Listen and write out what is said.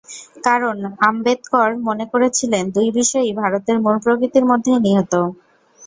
কারণ, আম্বেদকর মনে করেছিলেন, দুই বিষয়ই ভারতের মূল প্রকৃতির মধ্যেই নিহিত।